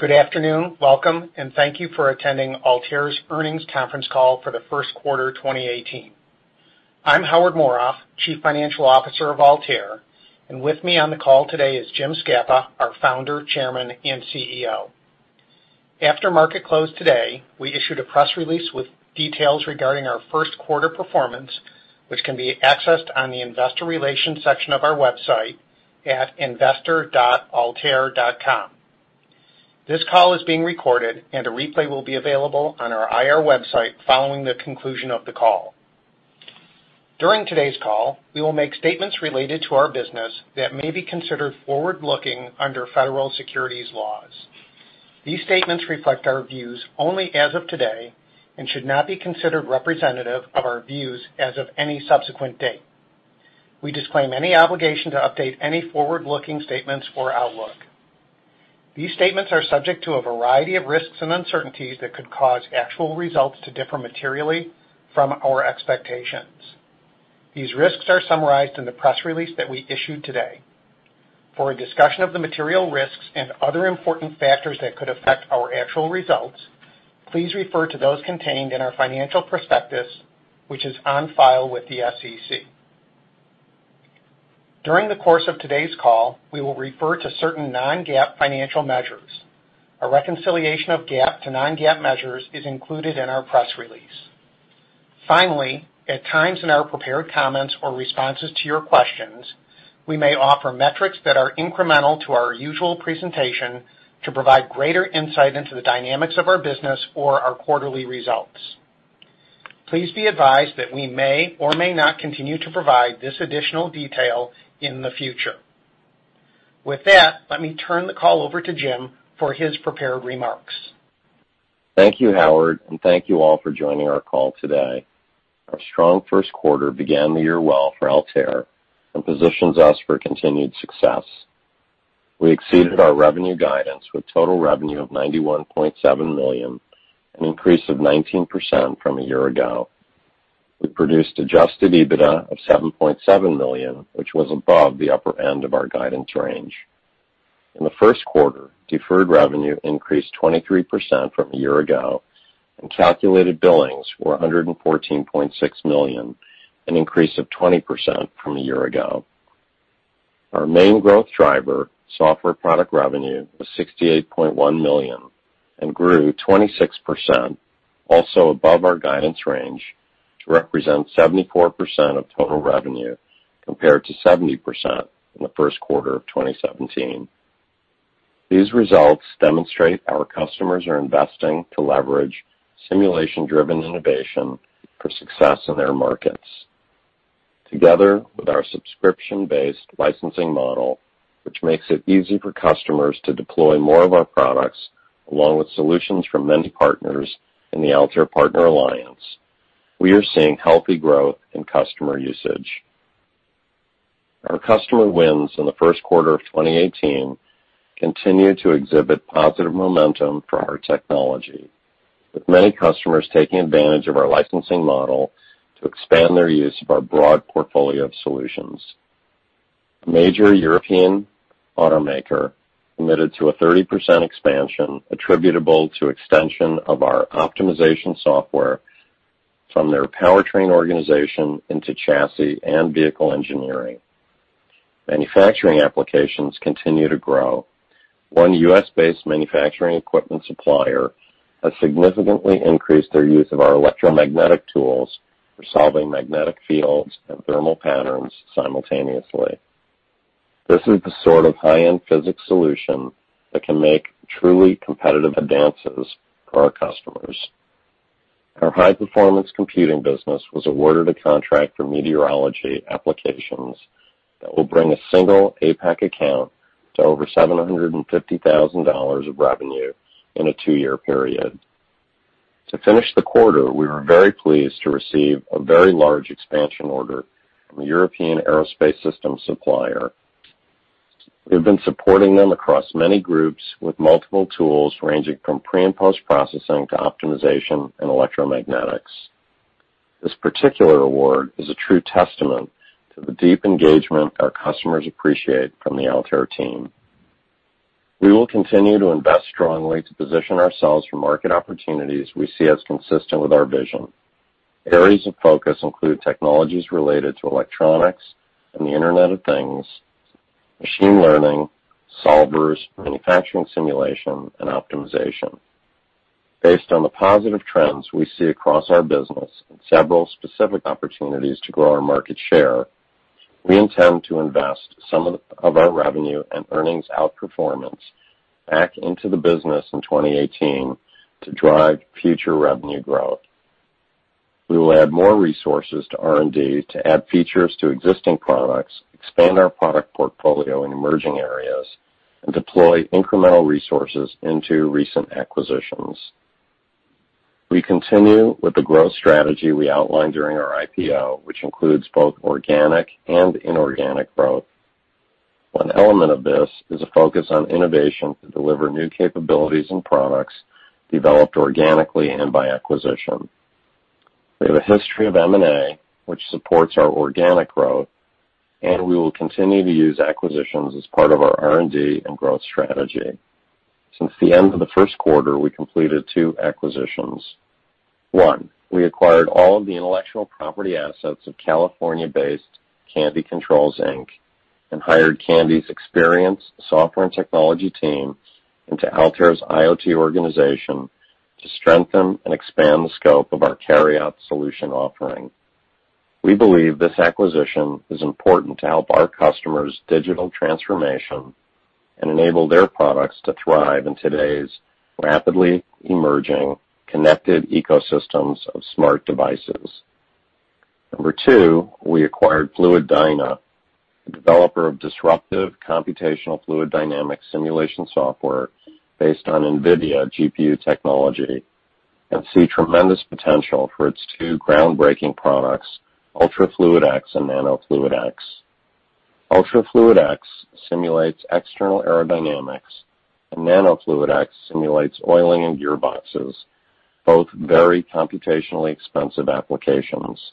Good afternoon. Welcome, and thank you for attending Altair's earnings conference call for the first quarter 2018. I'm Howard Morof, Chief Financial Officer of Altair, and with me on the call today is Jim Scapa, our Founder, Chairman, and CEO. After market close today, we issued a press release with details regarding our first quarter performance, which can be accessed on the investor relations section of our website at investor.altair.com. This call is being recorded, and a replay will be available on our IR website following the conclusion of the call. During today's call, we will make statements related to our business that may be considered forward-looking under Federal securities laws. These statements reflect our views only as of today and should not be considered representative of our views as of any subsequent date. We disclaim any obligation to update any forward-looking statements or outlook. These statements are subject to a variety of risks and uncertainties that could cause actual results to differ materially from our expectations. These risks are summarized in the press release that we issued today. For a discussion of the material risks and other important factors that could affect our actual results, please refer to those contained in our financial prospectus, which is on file with the SEC. During the course of today's call, we will refer to certain non-GAAP financial measures. A reconciliation of GAAP to non-GAAP measures is included in our press release. Finally, at times in our prepared comments or responses to your questions, we may offer metrics that are incremental to our usual presentation to provide greater insight into the dynamics of our business or our quarterly results. Please be advised that we may or may not continue to provide this additional detail in the future. With that, let me turn the call over to Jim for his prepared remarks. Thank you, Howard, and thank you all for joining our call today. Our strong first quarter began the year well for Altair and positions us for continued success. We exceeded our revenue guidance with total revenue of $91.7 million, an increase of 19% from a year ago. We produced adjusted EBITDA of $7.7 million, which was above the upper end of our guidance range. In the first quarter, deferred revenue increased 23% from a year ago, and calculated billings were $114.6 million, an increase of 20% from a year ago. Our main growth driver, software product revenue, was $68.1 million and grew 26%, also above our guidance range, to represent 74% of total revenue, compared to 70% in the first quarter of 2017. These results demonstrate our customers are investing to leverage simulation-driven innovation for success in their markets. Together with our subscription-based licensing model, which makes it easy for customers to deploy more of our products, along with solutions from many partners in the Altair Partner Alliance, we are seeing healthy growth in customer usage. Our customer wins in the first quarter of 2018 continue to exhibit positive momentum for our technology, with many customers taking advantage of our licensing model to expand their use of our broad portfolio of solutions. A major European automaker committed to a 30% expansion attributable to extension of our optimization software from their powertrain organization into chassis and vehicle engineering. Manufacturing applications continue to grow. One U.S.-based manufacturing equipment supplier has significantly increased their use of our electromagnetic tools for solving magnetic fields and thermal patterns simultaneously. This is the sort of high-end physics solution that can make truly competitive advances for our customers. Our high-performance computing business was awarded a contract for meteorology applications that will bring a single APAC account to over $750,000 of revenue in a two-year period. To finish the quarter, we were very pleased to receive a very large expansion order from a European aerospace systems supplier. We've been supporting them across many groups with multiple tools, ranging from pre- and post-processing to optimization and electromagnetics. This particular award is a true testament to the deep engagement our customers appreciate from the Altair team. We will continue to invest strongly to position ourselves for market opportunities we see as consistent with our vision. Areas of focus include technologies related to electronics and the Internet of Things, machine learning, solvers, manufacturing simulation, and optimization. Based on the positive trends we see across our business and several specific opportunities to grow our market share, we intend to invest some of our revenue and earnings outperformance back into the business in 2018 to drive future revenue growth. We will add more resources to R&D to add features to existing products, expand our product portfolio in emerging areas, and deploy incremental resources into recent acquisitions. We continue with the growth strategy we outlined during our IPO, which includes both organic and inorganic growth. One element of this is a focus on innovation to deliver new capabilities and products developed organically and by acquisition. We have a history of M&A, which supports our organic growth, and we will continue to use acquisitions as part of our R&D and growth strategy. Since the end of the first quarter, we completed two acquisitions. One, we acquired all of the intellectual property assets of California-based Candy Controls Inc. and hired Candy's experienced software and technology team into Altair's IoT organization to strengthen and expand the scope of our Carriots solution offering. We believe this acquisition is important to help our customers' digital transformation and enable their products to thrive in today's rapidly emerging connected ecosystems of smart devices. Number two, we acquired FluiDyna, a developer of disruptive computational fluid dynamics simulation software based on NVIDIA GPU technology, and see tremendous potential for its two groundbreaking products, ultraFluidX and nanoFluidX. ultraFluidX simulates external aerodynamics, and nanoFluidX simulates oiling and gearboxes, both very computationally expensive applications.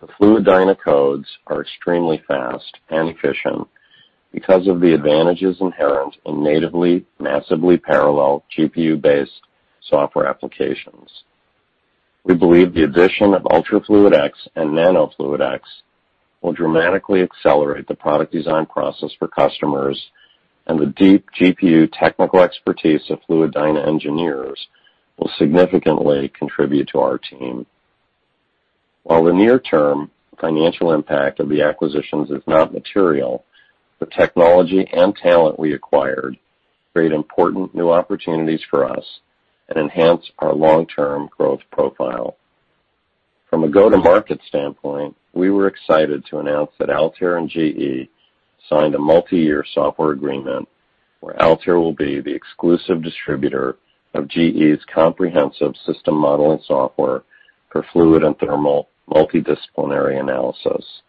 The FluiDyna codes are extremely fast and efficient because of the advantages inherent in natively, massively parallel GPU-based software applications. We believe the addition of ultraFluidX and nanoFluidX will dramatically accelerate the product design process for customers, and the deep GPU technical expertise of FluiDyna engineers will significantly contribute to our team. While the near-term financial impact of the acquisitions is not material, the technology and talent we acquired create important new opportunities for us and enhance our long-term growth profile. From a go-to-market standpoint, we were excited to announce that Altair and GE signed a multiyear software agreement where Altair will be the exclusive distributor of GE's comprehensive system modeling software for fluid and thermal multidisciplinary analysis.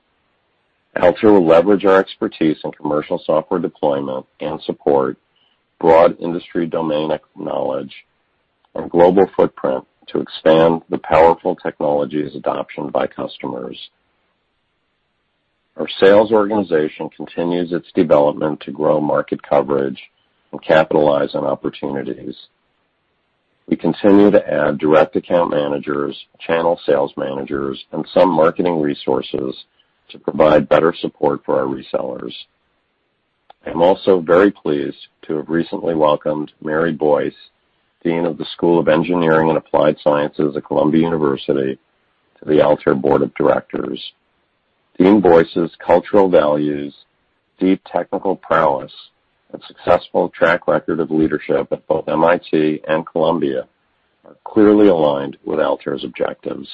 Altair will leverage our expertise in commercial software deployment and support broad industry domain knowledge and global footprint to expand the powerful technologies adoption by customers. Our sales organization continues its development to grow market coverage and capitalize on opportunities. We continue to add direct account managers, channel sales managers, and some marketing resources to provide better support for our resellers. I'm also very pleased to have recently welcomed Mary Boyce, Dean of the School of Engineering and Applied Sciences at Columbia University, to the Altair Board of Directors. Dean Boyce's cultural values, deep technical prowess, and successful track record of leadership at both MIT and Columbia are clearly aligned with Altair's objectives.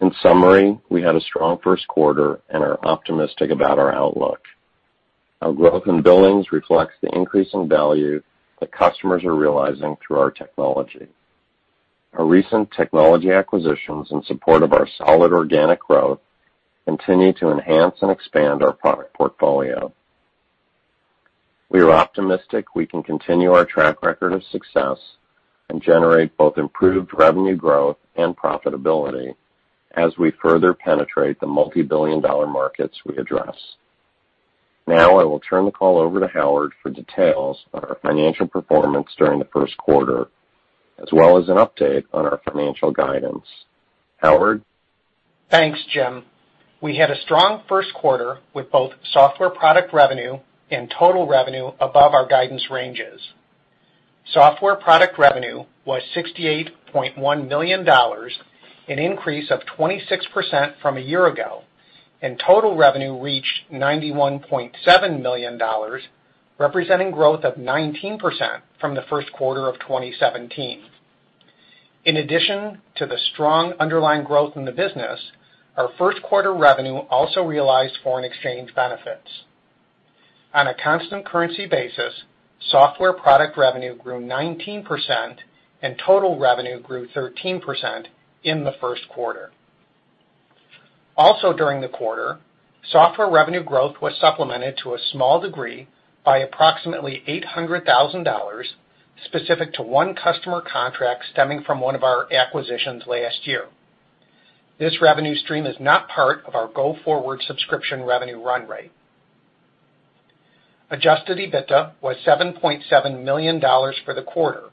In summary, we had a strong first quarter and are optimistic about our outlook. Our growth in billings reflects the increase in value that customers are realizing through our technology. Our recent technology acquisitions in support of our solid organic growth continue to enhance and expand our product portfolio. We are optimistic we can continue our track record of success and generate both improved revenue growth and profitability as we further penetrate the multibillion-dollar markets we address. I will turn the call over to Howard for details on our financial performance during the first quarter, as well as an update on our financial guidance. Howard? Thanks, Jim. We had a strong first quarter with both software product revenue and total revenue above our guidance ranges. Software product revenue was $68.1 million, an increase of 26% from a year ago, and total revenue reached $91.7 million, representing growth of 19% from the first quarter of 2017. In addition to the strong underlying growth in the business, our first quarter revenue also realized foreign exchange benefits. On a constant currency basis, software product revenue grew 19% and total revenue grew 13% in the first quarter. Also during the quarter, software revenue growth was supplemented to a small degree by approximately $800,000 specific to one customer contract stemming from one of our acquisitions last year. This revenue stream is not part of our go-forward subscription revenue run rate. Adjusted EBITDA was $7.7 million for the quarter,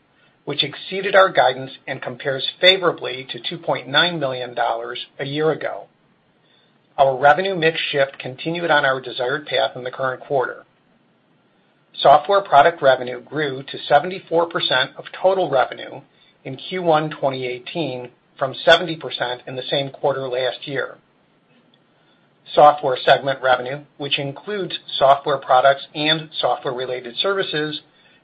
which exceeded our guidance and compares favorably to $2.9 million a year ago. Our revenue mix shift continued on our desired path in the current quarter. Software product revenue grew to 74% of total revenue in Q1 2018 from 70% in the same quarter last year. Software segment revenue, which includes software products and software-related services,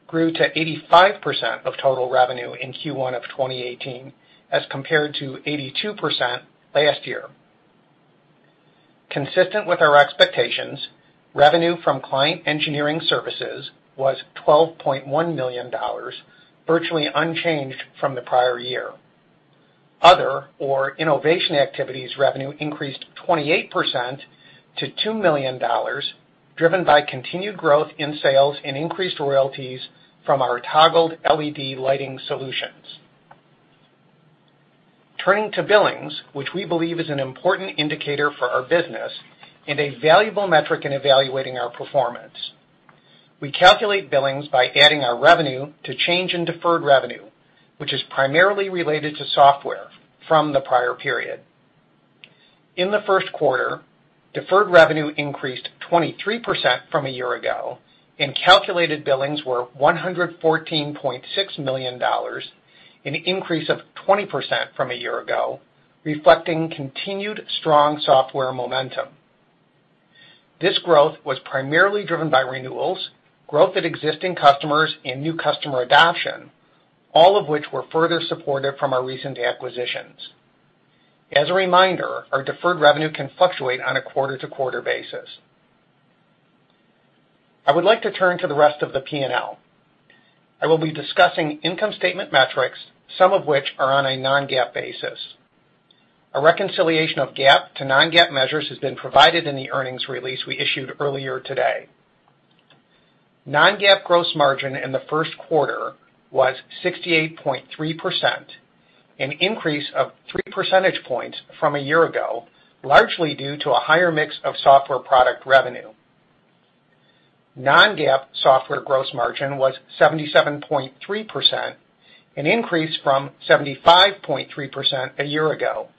grew to 85% of total revenue in Q1 of 2018 as compared to 82% last year. Consistent with our expectations, revenue from client engineering services was $12.1 million, virtually unchanged from the prior year. Other or innovation activities revenue increased 28% to $2 million, driven by continued growth in sales and increased royalties from our Toggled LED lighting solutions. Turning to billings, which we believe is an important indicator for our business and a valuable metric in evaluating our performance. We calculate billings by adding our revenue to change in deferred revenue, which is primarily related to software from the prior period. In the first quarter, deferred revenue increased 23% from a year ago, and calculated billings were $114.6 million, an increase of 20% from a year ago, reflecting continued strong software momentum. This growth was primarily driven by renewals, growth at existing customers, and new customer adoption, all of which were further supported from our recent acquisitions. As a reminder, our deferred revenue can fluctuate on a quarter-to-quarter basis. I would like to turn to the rest of the P&L. I will be discussing income statement metrics, some of which are on a non-GAAP basis. A reconciliation of GAAP to non-GAAP measures has been provided in the earnings release we issued earlier today. Non-GAAP gross margin in the first quarter was 68.3%, an increase of three percentage points from a year ago, largely due to a higher mix of software product revenue. Non-GAAP software gross margin was 77.3%, an increase from 75.3% a year ago.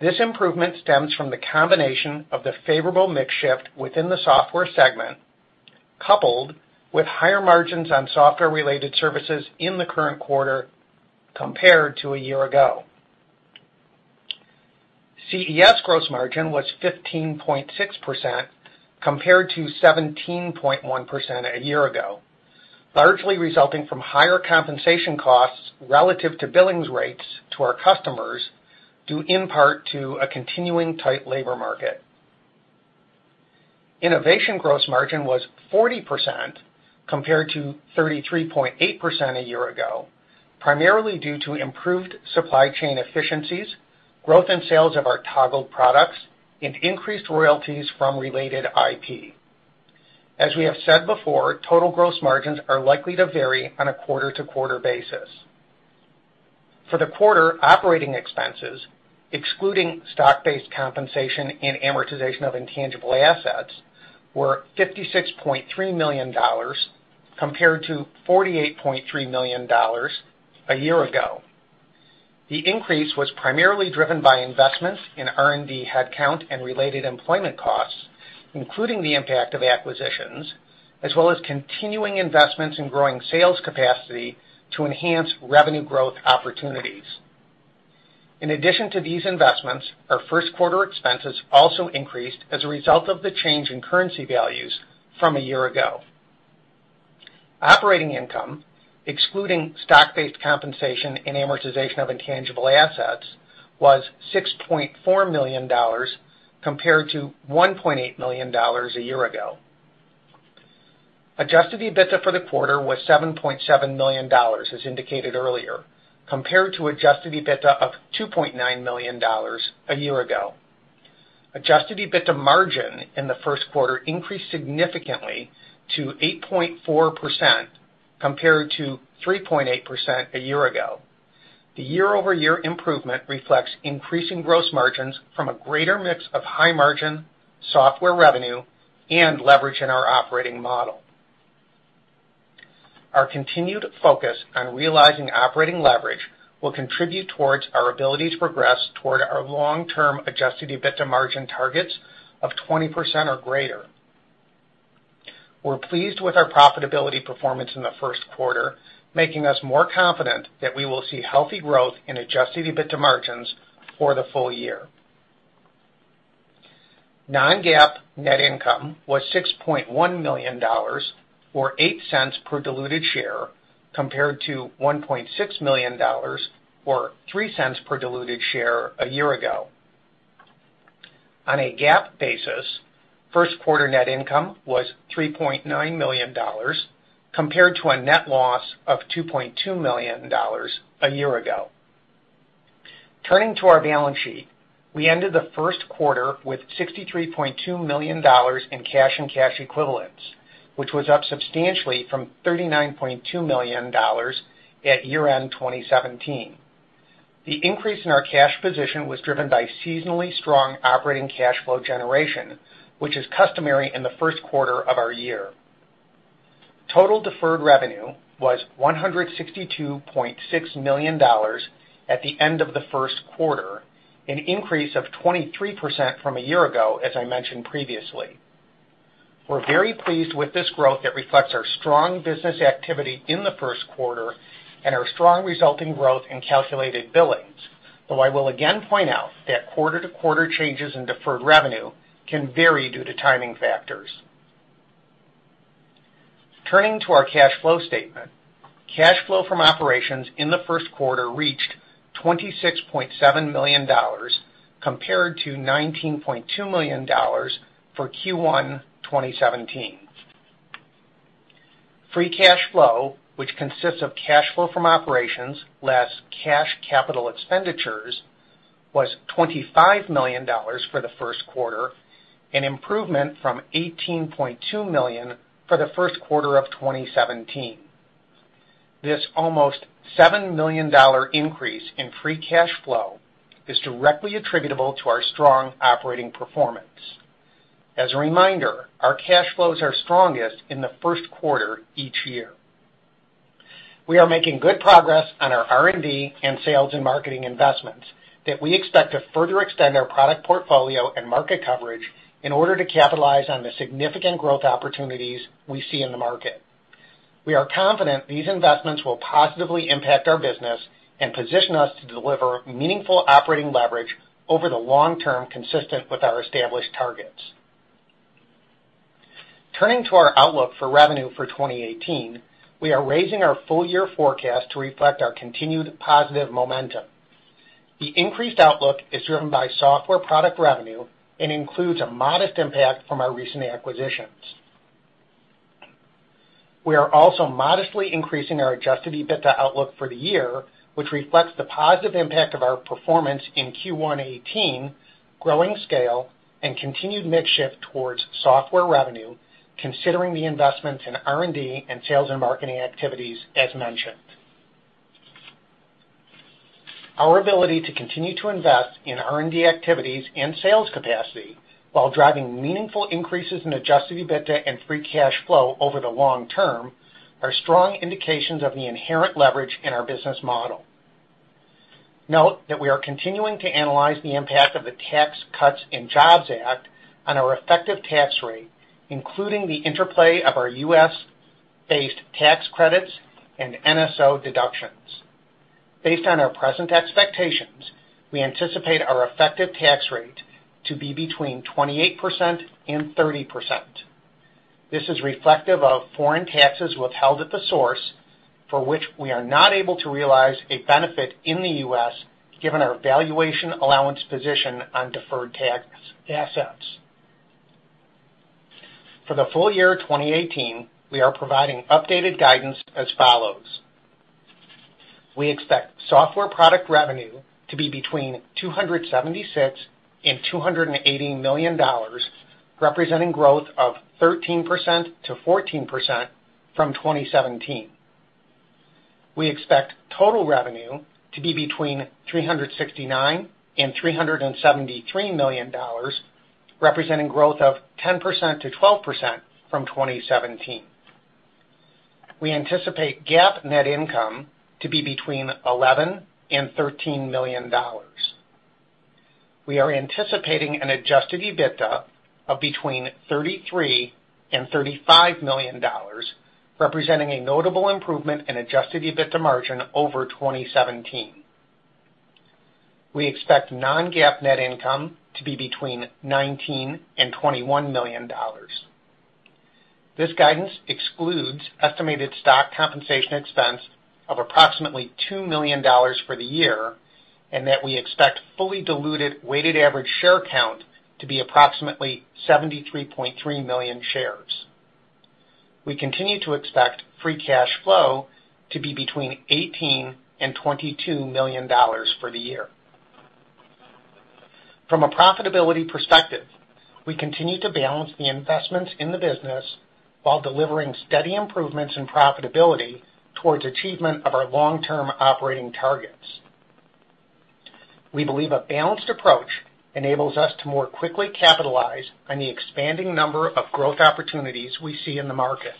This improvement stems from the combination of the favorable mix shift within the software segment, coupled with higher margins on software-related services in the current quarter compared to a year ago. CES gross margin was 15.6% compared to 17.1% a year ago, largely resulting from higher compensation costs relative to billings rates to our customers, due in part to a continuing tight labor market. Innovation gross margin was 40% compared to 33.8% a year ago, primarily due to improved supply chain efficiencies, growth in sales of our Toggled products, and increased royalties from related IP. As we have said before, total gross margins are likely to vary on a quarter-to-quarter basis. For the quarter, operating expenses, excluding stock-based compensation and amortization of intangible assets, were $56.3 million compared to $48.3 million a year ago. The increase was primarily driven by investments in R&D headcount and related employment costs, including the impact of acquisitions, as well as continuing investments in growing sales capacity to enhance revenue growth opportunities. In addition to these investments, our first quarter expenses also increased as a result of the change in currency values from a year ago. Operating income, excluding stock-based compensation and amortization of intangible assets, was $6.4 million compared to $1.8 million a year ago. Adjusted EBITDA for the quarter was $7.7 million, as indicated earlier, compared to Adjusted EBITDA of $2.9 million a year ago. Adjusted EBITDA margin in the first quarter increased significantly to 8.4% compared to 3.8% a year ago. The year-over-year improvement reflects increasing gross margins from a greater mix of high-margin software revenue and leverage in our operating model. Our continued focus on realizing operating leverage will contribute towards our ability to progress toward our long-term adjusted EBITDA margin targets of 20% or greater. We are pleased with our profitability performance in the first quarter, making us more confident that we will see healthy growth in adjusted EBITDA margins for the full year. Non-GAAP net income was $6.1 million, or $0.08 per diluted share, compared to $1.6 million, or $0.03 per diluted share a year ago. On a GAAP basis, first quarter net income was $3.9 million, compared to a net loss of $2.2 million a year ago. Turning to our balance sheet, we ended the first quarter with $63.2 million in cash and cash equivalents, which was up substantially from $39.2 million at year-end 2017. The increase in our cash position was driven by seasonally strong operating cash flow generation, which is customary in the first quarter of our year. Total deferred revenue was $162.6 million at the end of the first quarter, an increase of 23% from a year ago, as I mentioned previously. We are very pleased with this growth that reflects our strong business activity in the first quarter and our strong resulting growth in calculated billings, though I will again point out that quarter-to-quarter changes in deferred revenue can vary due to timing factors. Turning to our cash flow statement, cash flow from operations in the first quarter reached $26.7 million, compared to $19.2 million for Q1 2017. Free cash flow, which consists of cash flow from operations less cash capital expenditures, was $25 million for the first quarter, an improvement from $18.2 million for the first quarter of 2017. This almost $7 million increase in free cash flow is directly attributable to our strong operating performance. As a reminder, our cash flows are strongest in the first quarter each year. We are making good progress on our R&D and sales and marketing investments that we expect to further extend our product portfolio and market coverage in order to capitalize on the significant growth opportunities we see in the market. We are confident these investments will positively impact our business and position us to deliver meaningful operating leverage over the long term, consistent with our established targets. Turning to our outlook for revenue for 2018, we are raising our full year forecast to reflect our continued positive momentum. The increased outlook is driven by software product revenue and includes a modest impact from our recent acquisitions. We are also modestly increasing our adjusted EBITDA outlook for the year, which reflects the positive impact of our performance in Q1 2018, growing scale and continued mix shift towards software revenue, considering the investments in R&D and sales and marketing activities, as mentioned. Our ability to continue to invest in R&D activities and sales capacity while driving meaningful increases in adjusted EBITDA and free cash flow over the long term are strong indications of the inherent leverage in our business model. Note that we are continuing to analyze the impact of the Tax Cuts and Jobs Act on our effective tax rate, including the interplay of our U.S.-based tax credits and NSO deductions. Based on our present expectations, we anticipate our effective tax rate to be between 28% and 30%. This is reflective of foreign taxes withheld at the source for which we are not able to realize a benefit in the U.S., given our valuation allowance position on deferred tax assets. For the full year 2018, we are providing updated guidance as follows. We expect software product revenue to be between $276 million and $280 million, representing growth of 13%-14% from 2017. We expect total revenue to be between $369 million and $373 million, representing growth of 10%-12% from 2017. We anticipate GAAP net income to be between $11 million and $13 million. We are anticipating an adjusted EBITDA of between $33 million and $35 million, representing a notable improvement in adjusted EBITDA margin over 2017. We expect non-GAAP net income to be between $19 million and $21 million. This guidance excludes estimated stock compensation expense of approximately $2 million for the year and that we expect fully diluted weighted average share count to be approximately 73.3 million shares. We continue to expect free cash flow to be between $18 million and $22 million for the year. From a profitability perspective, we continue to balance the investments in the business while delivering steady improvements in profitability towards achievement of our long-term operating targets. We believe a balanced approach enables us to more quickly capitalize on the expanding number of growth opportunities we see in the market.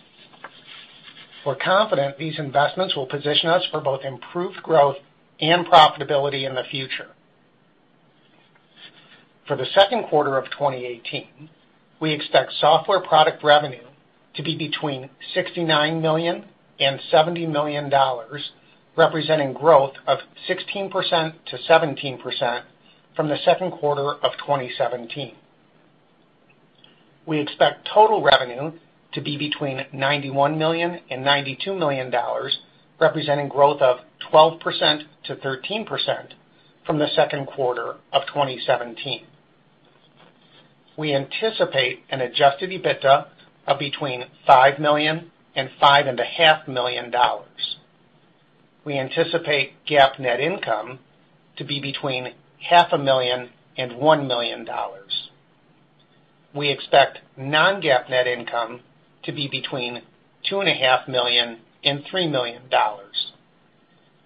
We're confident these investments will position us for both improved growth and profitability in the future. For the second quarter of 2018, we expect software product revenue to be between $69 million and $70 million, representing growth of 16%-17% from the second quarter of 2017. We expect total revenue to be between $91 million and $92 million, representing growth of 12%-13% from the second quarter of 2017. We anticipate an adjusted EBITDA of between $5 million and $5.5 million. We anticipate GAAP net income to be between $500,000 and $1 million. We expect non-GAAP net income to be between $2.5 million and $3 million.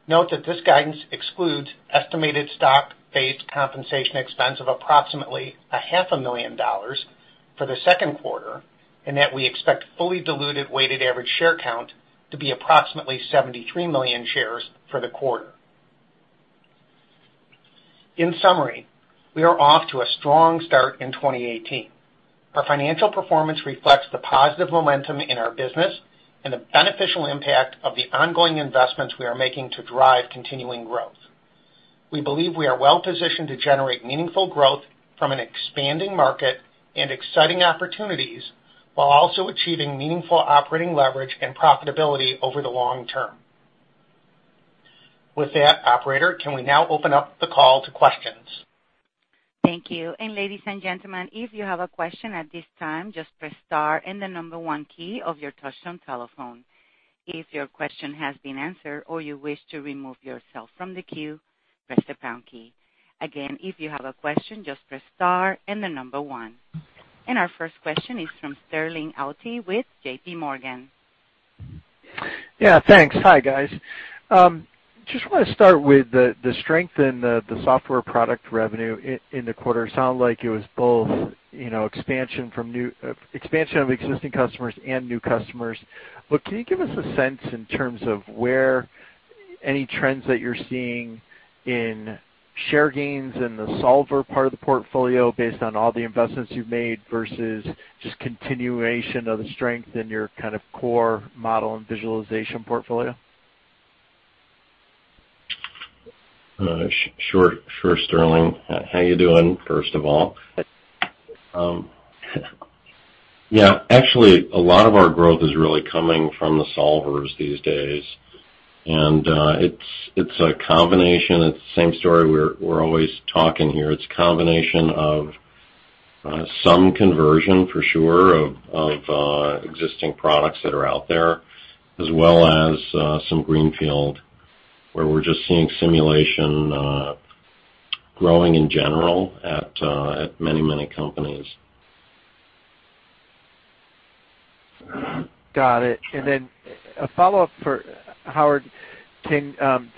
Note that this guidance excludes estimated stock-based compensation expense of approximately $500,000 for the second quarter, and that we expect fully diluted weighted average share count to be approximately 73 million shares for the quarter. In summary, we are off to a strong start in 2018. Our financial performance reflects the positive momentum in our business and the beneficial impact of the ongoing investments we are making to drive continuing growth. We believe we are well positioned to generate meaningful growth from an expanding market and exciting opportunities while also achieving meaningful operating leverage and profitability over the long term. With that, operator, can we now open up the call to questions? Thank you. Ladies and gentlemen, if you have a question at this time, just press star and the number one key of your touchtone telephone. If your question has been answered or you wish to remove yourself from the queue, press the pound key. Again, if you have a question, just press star and the number one. Our first question is from Sterling Auty with JPMorgan. Yeah, thanks. Hi, guys. Just want to start with the strength in the software product revenue in the quarter. It sounded like it was both expansion of existing customers and new customers. Can you give us a sense in terms of any trends that you're seeing in share gains in the solver part of the portfolio based on all the investments you've made, versus just continuation of the strength in your core model and visualization portfolio? Sure, Sterling. How you doing, first of all? Yeah. Actually, a lot of our growth is really coming from the solvers these days, and it's a combination. It's the same story we're always talking here. It's a combination of some conversion, for sure, of existing products that are out there, as well as some greenfield, where we're just seeing simulation growing in general at many, many companies. Got it. Then a follow-up for Howard Morof.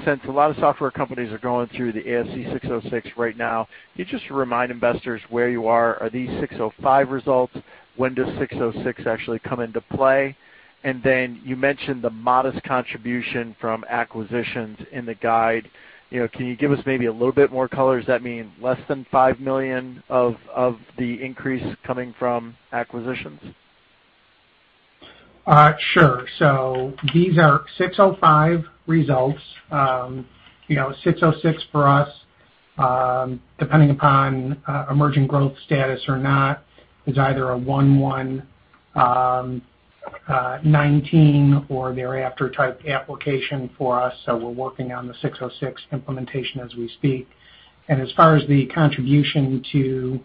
Since a lot of software companies are going through the ASC 606 right now, can you just remind investors where you are? Are these ASC 605 results? When does ASC 606 actually come into play? Then you mentioned the modest contribution from acquisitions in the guide. Can you give us maybe a little bit more color? Does that mean less than $5 million of the increase coming from acquisitions? Sure. These are ASC 605 results. ASC 606 for us, depending upon emerging growth status or not, is either a 1/1/19 or thereafter type application for us. We're working on the ASC 606 implementation as we speak. As far as the contribution to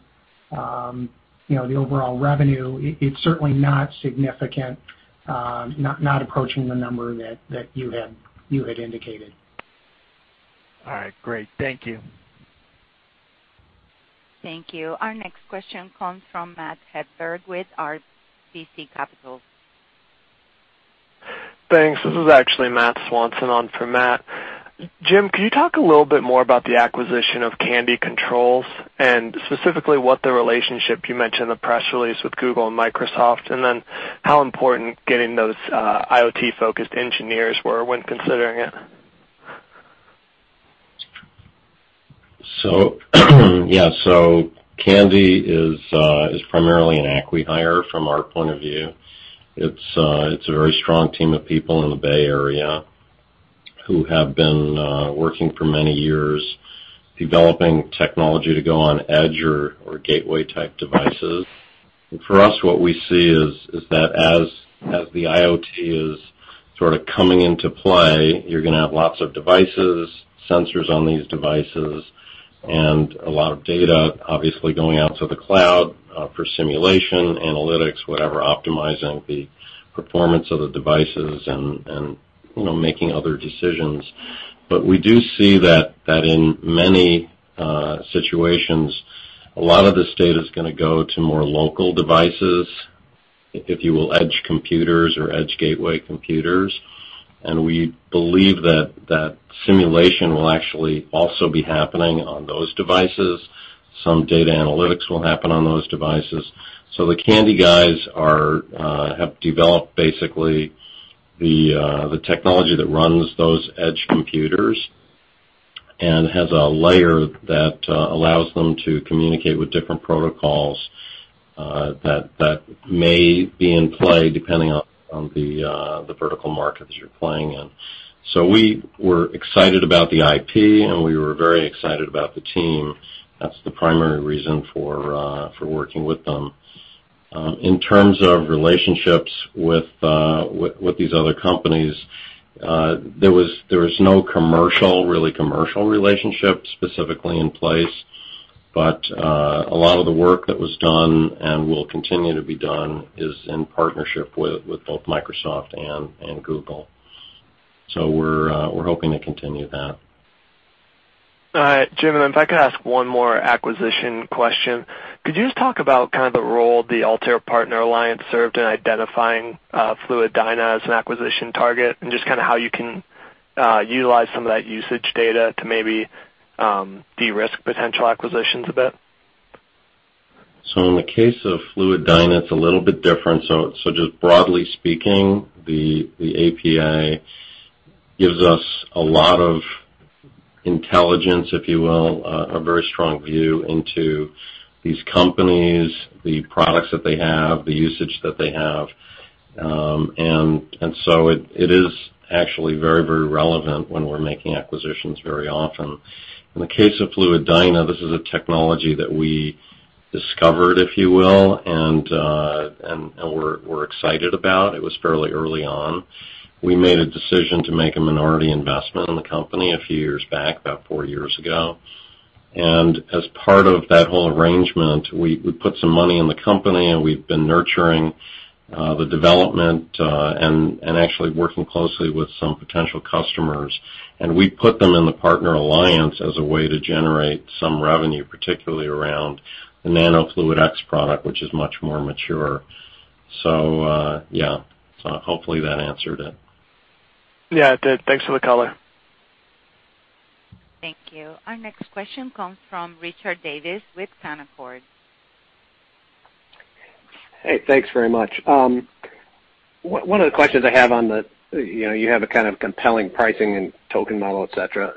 the overall revenue, it's certainly not significant, not approaching the number that you had indicated. All right, great. Thank you. Thank you. Our next question comes from Matthew Hedberg with RBC Capital Markets. Thanks. This is actually Matthew Swanson on for Matthew Hedberg. Jim, can you talk a little bit more about the acquisition of Candy Controls, and specifically what the relationship, you mentioned the press release with Google and Microsoft, and then how important getting those IoT-focused engineers were when considering it? Candy is primarily an acqui-hire from our point of view. It's a very strong team of people in the Bay Area who have been working for many years developing technology to go on edge or gateway-type devices. For us, what we see is that as the IoT is sort of coming into play, you're going to have lots of devices, sensors on these devices, and a lot of data, obviously, going out to the cloud for simulation, analytics, whatever, optimizing the performance of the devices and making other decisions. We do see that in many situations, a lot of this data is going to go to more local devices, if you will, edge computers or edge gateway computers. We believe that simulation will actually also be happening on those devices. Some data analytics will happen on those devices. The Candy guys have developed basically the technology that runs those edge computers and has a layer that allows them to communicate with different protocols that may be in play depending on the vertical markets you're playing in. We were excited about the IP, and we were very excited about the team. That's the primary reason for working with them. In terms of relationships with these other companies, there was no really commercial relationship specifically in place. A lot of the work that was done, and will continue to be done, is in partnership with both Microsoft and Google. We're hoping to continue that. All right. Jim, if I could ask one more acquisition question. Could you just talk about kind of the role the Altair Partner Alliance served in identifying FluiDyna as an acquisition target, and just how you can utilize some of that usage data to maybe de-risk potential acquisitions a bit? In the case of FluiDyna, it's a little bit different. Just broadly speaking, the APA gives us a lot of intelligence, if you will, a very strong view into these companies, the products that they have, the usage that they have. It is actually very relevant when we're making acquisitions very often. In the case of FluiDyna, this is a technology that we discovered, if you will, and we're excited about. It was fairly early on. We made a decision to make a minority investment in the company a few years back, about four years ago. As part of that whole arrangement, we put some money in the company, and we've been nurturing the development and actually working closely with some potential customers. We put them in the Partner Alliance as a way to generate some revenue, particularly around the nanoFluidX product, which is much more mature. Yeah. Hopefully that answered it. Yeah, it did. Thanks for the color. Thank you. Our next question comes from Richard Davis with Canaccord. Hey, thanks very much. You have a kind of compelling pricing and token model, et cetera,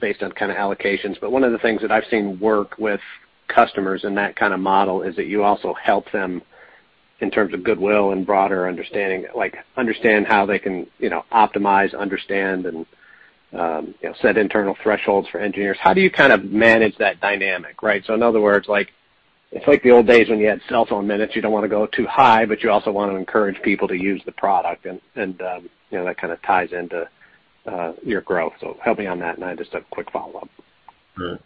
based on kind of allocations. One of the things that I've seen work with customers in that kind of model is that you also help them in terms of goodwill and broader understanding. Like understand how they can optimize, understand, and set internal thresholds for engineers. How do you kind of manage that dynamic, right? In other words, it's like the old days when you had cellphone minutes. You don't want to go too high, but you also want to encourage people to use the product, and that kind of ties into your growth. Help me on that, and I just have a quick follow-up.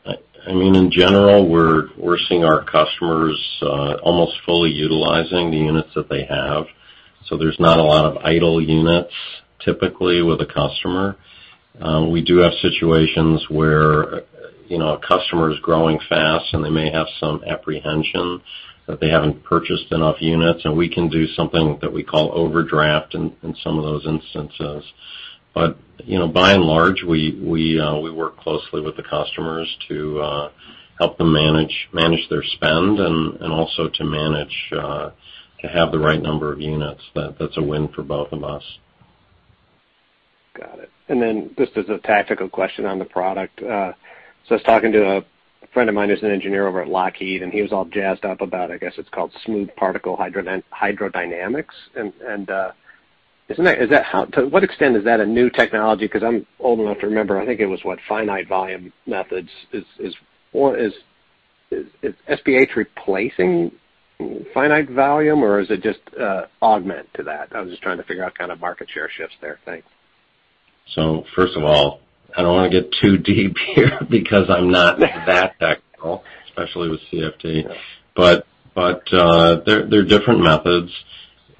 Sure. In general, we're seeing our customers almost fully utilizing the units that they have, so there's not a lot of idle units typically with a customer. We do have situations where a customer is growing fast, and they may have some apprehension that they haven't purchased enough units, and we can do something that we call overdraft in some of those instances. By and large, we work closely with the customers to help them manage their spend and also to have the right number of units. That's a win for both of us. Got it. Just as a tactical question on the product. I was talking to a friend of mine who's an engineer over at Lockheed, and he was all jazzed up about, I guess it's called Smoothed-particle hydrodynamics. To what extent is that a new technology? Because I'm old enough to remember, I think it was what Finite volume method is. Is SPH replacing Finite volume, or is it just augment to that? I'm just trying to figure out kind of market share shifts there. Thanks. First of all, I don't want to get too deep here because I'm not that technical, especially with CFD. They're different methods.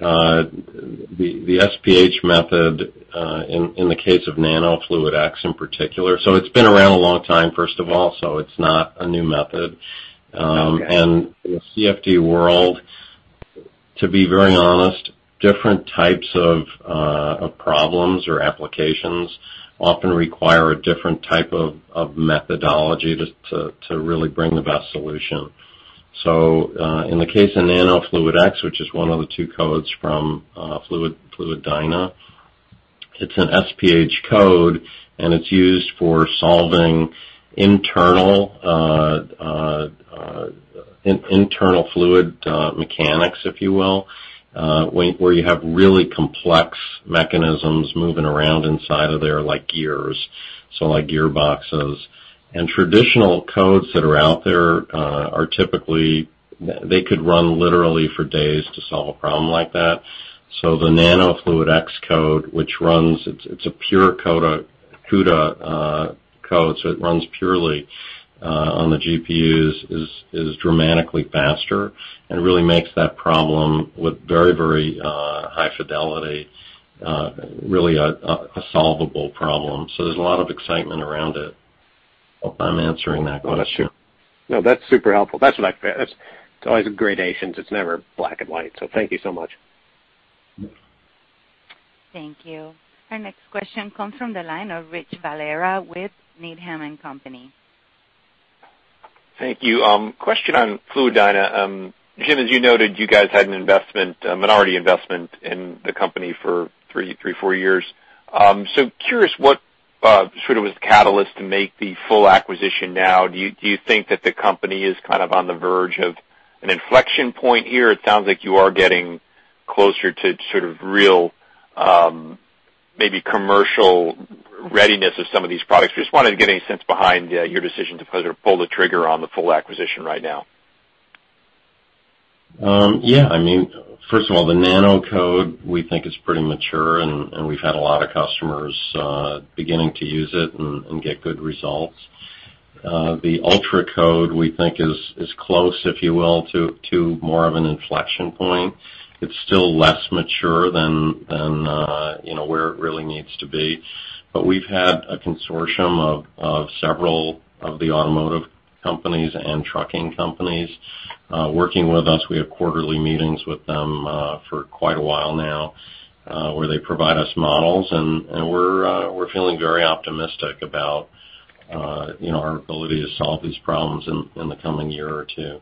The SPH method, in the case of nanoFluidX in particular. It's been around a long time, first of all, so it's not a new method. Okay. In the CFD world, to be very honest, different types of problems or applications often require a different type of methodology to really bring the best solution. In the case of nanoFluidX, which is one of the two codes from FluiDyna, it's an SPH code, and it's used for solving internal fluid mechanics, if you will, where you have really complex mechanisms moving around inside of there, like gears. Like gearboxes. Traditional codes that are out there are typically they could run literally for days to solve a problem like that. The nanoFluidX code, it's a pure CUDA code, so it runs purely on the GPUs, is dramatically faster and really makes that problem with very high fidelity really a solvable problem. There's a lot of excitement around it. Hope I'm answering that question. Oh, that's true. No, that's super helpful. It's always gradations. It's never black and white. Thank you so much. Thank you. Our next question comes from the line of Richard Valera with Needham & Company. Thank you. Question on FluiDyna. Jim, as you noted, you guys had a minority investment in the company for three, four years. Curious what sort of was the catalyst to make the full acquisition now. Do you think that the company is kind of on the verge of an inflection point here? It sounds like you are getting closer to sort of real, maybe commercial readiness of some of these products. Just wanted to get a sense behind your decision to pull the trigger on the full acquisition right now. Yeah. First of all, the nano code we think is pretty mature. We've had a lot of customers beginning to use it and get good results. The ultra code, we think is close, if you will, to more of an inflection point. It's still less mature than where it really needs to be. We've had a consortium of several of the automotive companies and trucking companies working with us. We have quarterly meetings with them for quite a while now, where they provide us models. We're feeling very optimistic about our ability to solve these problems in the coming year or two.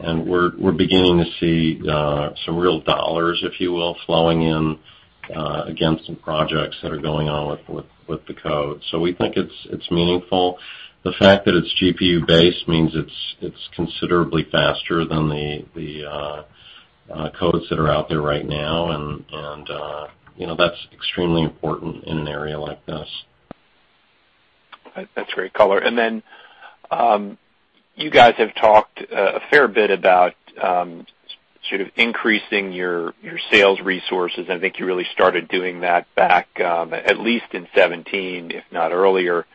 We're beginning to see some real dollars, if you will, flowing in against some projects that are going on with the code. We think it's meaningful. The fact that it's GPU-based means it's considerably faster than the codes that are out there right now, and that's extremely important in an area like this. That's great color. Then you guys have talked a fair bit about increasing your sales resources, I think you really started doing that back at least in 2017, if not earlier.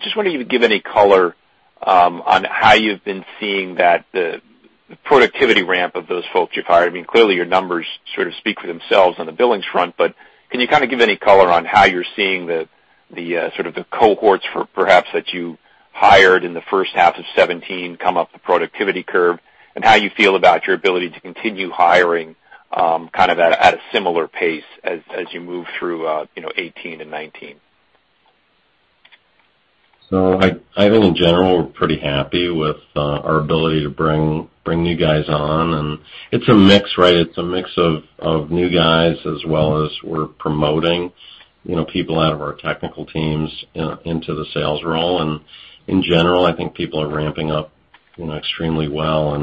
Just wondering if you'd give any color on how you've been seeing the productivity ramp of those folks you've hired. Clearly, your numbers sort of speak for themselves on the billings front, but can you give any color on how you're seeing the cohorts perhaps that you hired in the first half of 2017 come up the productivity curve, and how you feel about your ability to continue hiring at a similar pace as you move through 2018 and 2019? I think in general, we're pretty happy with our ability to bring new guys on. It's a mix, right? It's a mix of new guys as well as we're promoting people out of our technical teams into the sales role. In general, I think people are ramping up extremely well.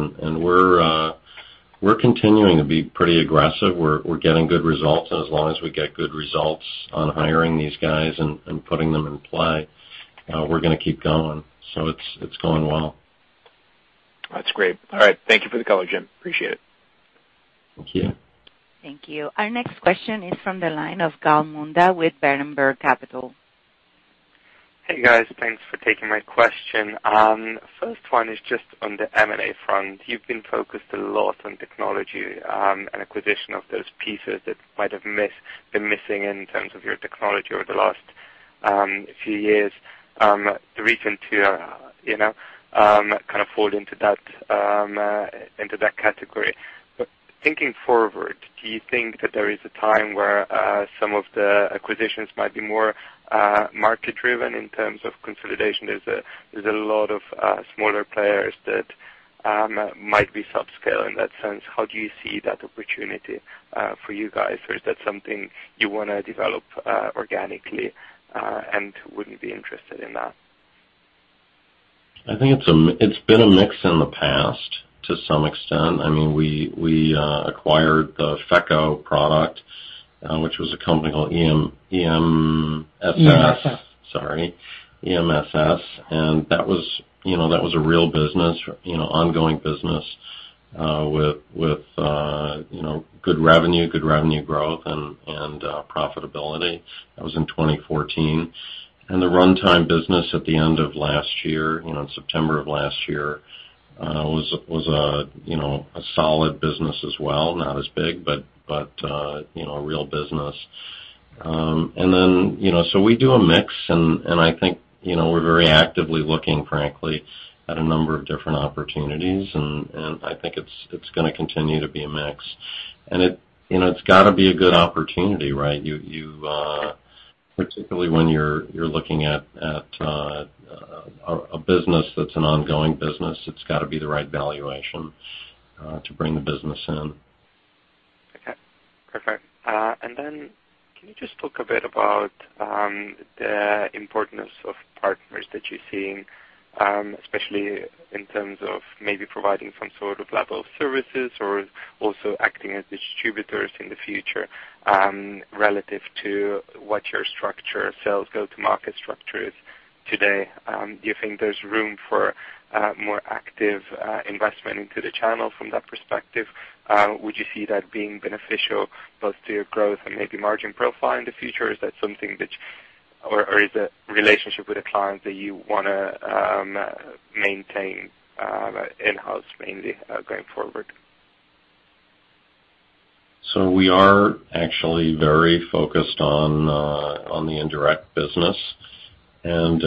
We're continuing to be pretty aggressive. We're getting good results, as long as we get good results on hiring these guys and putting them in play, we're going to keep going. It's going well. That's great. All right. Thank you for the color, Jim. Appreciate it. Thank you. Thank you. Our next question is from the line of Gal Munda with Berenberg Capital. Hey, guys. Thanks for taking my question. First one is just on the M&A front. You've been focused a lot on technology, and acquisition of those pieces that might have been missing in terms of your technology over the last few years. The recent two kind of fall into that category. Thinking forward, do you think that there is a time where some of the acquisitions might be more market-driven in terms of consolidation? There's a lot of smaller players that might be sub-scale in that sense. How do you see that opportunity for you guys, or is that something you want to develop organically, wouldn't be interested in that? I think it's been a mix in the past to some extent. We acquired the FEKO product, which was a company called EMSS. EMSS. Sorry. EMSS. That was a real business, ongoing business with good revenue, good revenue growth and profitability. That was in 2014. The Runtime business at the end of last year, in September of last year, was a solid business as well. Not as big, but a real business. We do a mix and I think we're very actively looking, frankly, at a number of different opportunities and I think it's going to continue to be a mix. It's got to be a good opportunity, right? Particularly when you're looking at a business that's an ongoing business, it's got to be the right valuation to bring the business in. Okay. Perfect. Can you just talk a bit about the importance of partners that you're seeing, especially in terms of maybe providing some sort of level of services or also acting as distributors in the future, relative to what your sales go-to-market structure is today? Do you think there's room for more active investment into the channel from that perspective? Would you see that being beneficial both to your growth and maybe margin profile in the future, or is it relationship with the clients that you want to maintain in-house mainly, going forward? We are actually very focused on the indirect business and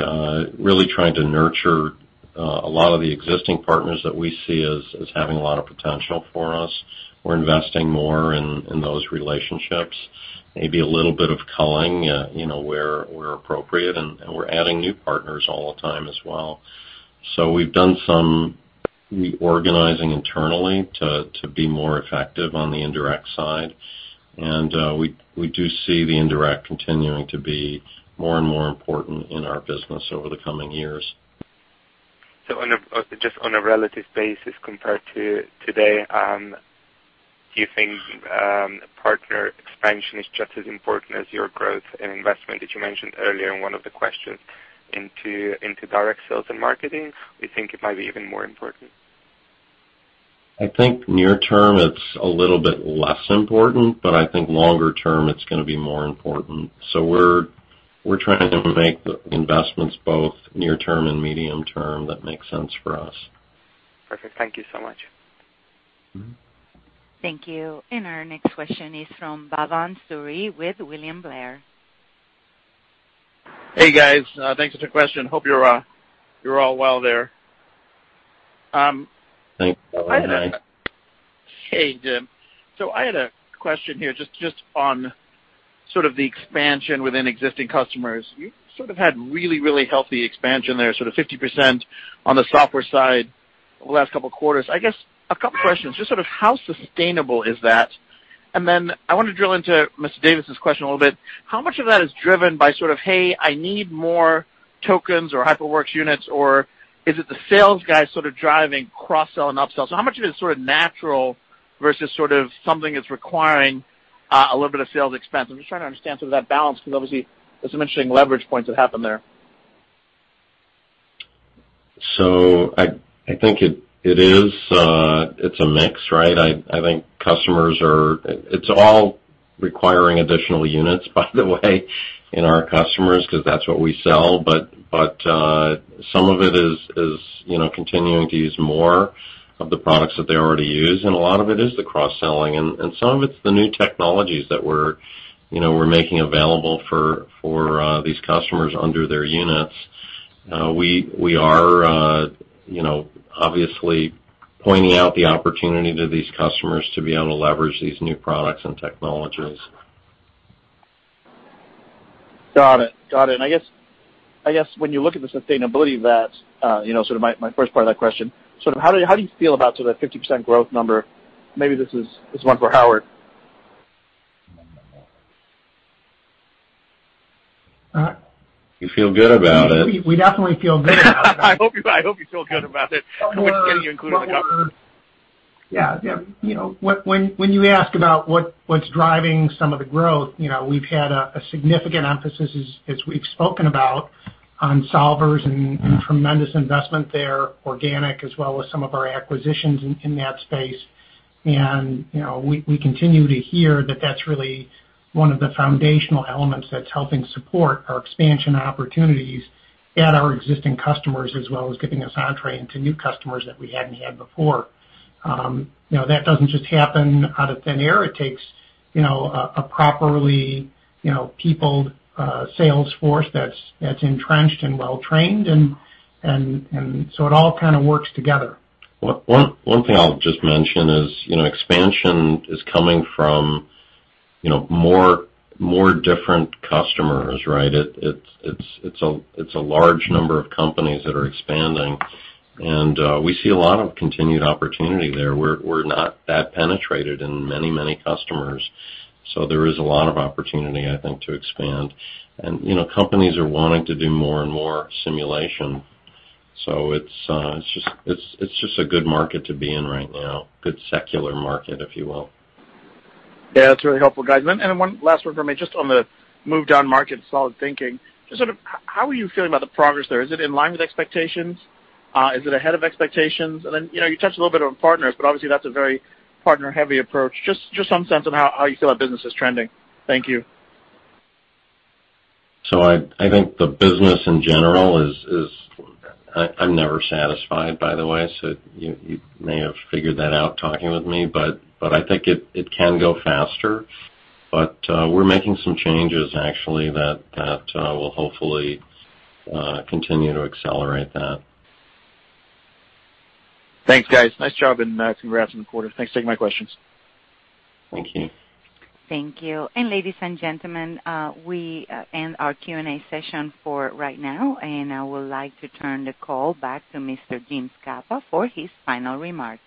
really trying to nurture a lot of the existing partners that we see as having a lot of potential for us. We're investing more in those relationships. Maybe a little bit of culling where appropriate, and we're adding new partners all the time as well. We've done some reorganizing internally to be more effective on the indirect side, and we do see the indirect continuing to be more and more important in our business over the coming years. Just on a relative basis compared to today, do you think partner expansion is just as important as your growth and investment that you mentioned earlier in one of the questions into direct sales and marketing, or do you think it might be even more important? I think near term it's a little bit less important, but I think longer term it's going to be more important. We're trying to make the investments both near term and medium term that make sense for us. Perfect. Thank you so much. Thank you. Our next question is from Bhavan Suri with William Blair. Hey, guys, thanks for the question. Hope you're all well there. Thanks, Bhavan. Hi. Hey, Jim. I had a question here just on sort of the expansion within existing customers. You've sort of had really healthy expansion there, sort of 50% on the software side over the last couple of quarters. I guess a couple questions. Just sort of how sustainable is that? I want to drill into Mr. Davis's question a little bit. How much of that is driven by sort of, "Hey, I need more tokens or HyperWorks units," or is it the sales guy sort of driving cross-sell and up-sell? How much of it is sort of natural versus something that's requiring a little bit of sales expense. I'm just trying to understand sort of that balance, because obviously, there's some interesting leverage points that happen there. I think it's a mix, right? It's all requiring additional units, by the way, in our customers, because that's what we sell. Some of it is continuing to use more of the products that they already use, and a lot of it is the cross-selling, and some of it's the new technologies that we're making available for these customers under their units. We are obviously pointing out the opportunity to these customers to be able to leverage these new products and technologies. Got it. I guess when you look at the sustainability of that, sort of my first part of that question, how do you feel about sort of that 50% growth number? Maybe this is one for Howard. You feel good about it. We definitely feel good about it. I hope you feel good about it, getting you included in the company. Yeah. When you ask about what's driving some of the growth, we've had a significant emphasis, as we've spoken about, on solvers and tremendous investment there, organic as well as some of our acquisitions in that space. We continue to hear that that's really one of the foundational elements that's helping support our expansion opportunities at our existing customers, as well as getting us entree into new customers that we hadn't had before. That doesn't just happen out of thin air. It takes a properly peopled sales force that's entrenched and well-trained, and so it all kind of works together. One thing I'll just mention is expansion is coming from more different customers, right? It's a large number of companies that are expanding, and we see a lot of continued opportunity there. We're not that penetrated in many customers, so there is a lot of opportunity, I think, to expand. Companies are wanting to do more and more simulation, so it's just a good market to be in right now. Good secular market, if you will. Yeah, that's really helpful, guys. One last one for me, just on the move down market, solidThinking. How are you feeling about the progress there? Is it in line with expectations? Is it ahead of expectations? You touched a little bit on partners, but obviously, that's a very partner-heavy approach. Some sense on how you feel our business is trending. Thank you. I think the business in general is I'm never satisfied, by the way, so you may have figured that out talking with me, but I think it can go faster. We're making some changes, actually, that will hopefully continue to accelerate that. Thanks, guys. Nice job, and congrats on the quarter. Thanks for taking my questions. Thank you. Thank you. Ladies and gentlemen, we end our Q&A session for right now, and I would like to turn the call back to Mr. James Scapa for his final remarks.